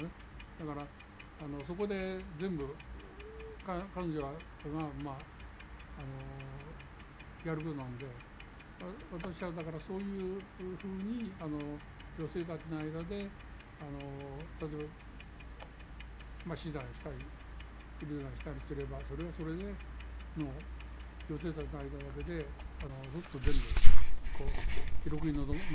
だからそこで全部彼女らがまああのやることなので私はだからそういうふうに女性たちの間で例えば死産したり流産したりすればそれはそれで女性たちの間だけでずっと全部こう記録に残さないというね。